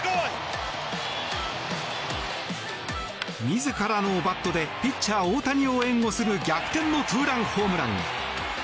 自らのバットでピッチャー大谷を援護する逆転のツーランホームラン。